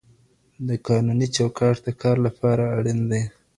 د قانوني چوکاټ د کار لپاره اړین دی.